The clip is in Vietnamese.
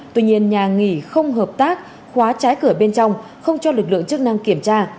tuy nhiên nhà nghỉ không hợp tác khóa trái cửa bên trong không cho lực lượng chức năng kiểm tra